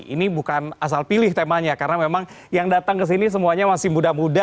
ini bukan asal pilih temanya karena memang yang datang ke sini semuanya masih muda muda